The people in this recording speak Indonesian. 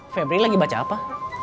febri lagi baca apa